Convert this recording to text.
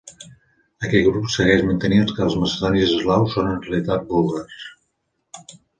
Aquest grup segueix mantenint que els macedonis eslaus són, en realitat, búlgars.